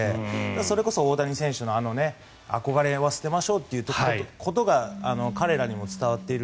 それこそ大谷選手の憧れは捨てましょうということが彼らにも伝わっている。